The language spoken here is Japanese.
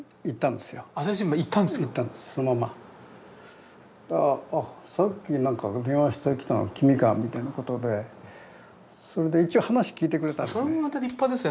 そしたら「あっさっき電話してきたのは君か」みたいなことでそれで一応話聞いてくれたんですね。